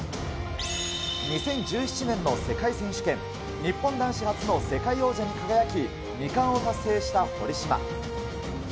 ２０１７年の世界選手権、日本男子初の世界王者に輝き、２冠を達成した堀島。